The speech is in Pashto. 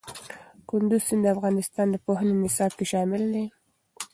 کندز سیند د افغانستان د پوهنې نصاب کې شامل دی.